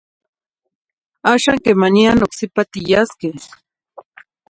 Axan quemaniya ocsipa tiyasqueh.